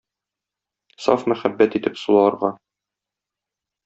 Саф мәхәббәт итеп суларга.